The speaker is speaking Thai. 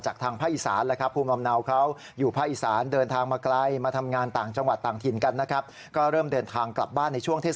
จังหวัดที่เขาประกาศไว้ก็ได้